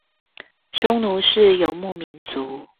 匈奴是游牧民族